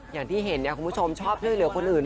อย่างที่เห็นคุณผู้ชมชอบช่วยเหลือคนอื่น